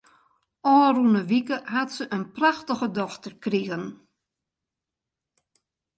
Ofrûne wike hat se in prachtige dochter krigen.